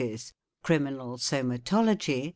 Criminal Sociology.